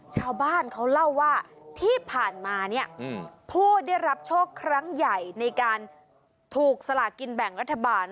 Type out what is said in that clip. ชาวบ้านเขาเล่าว่าที่ผ่านมาเนี่ยผู้ได้รับโชคครั้งใหญ่ในการถูกสลากินแบ่งรัฐบาล